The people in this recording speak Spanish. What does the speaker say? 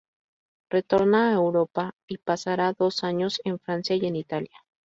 Retorna a Europa y pasará dos años en Francia y en Italia.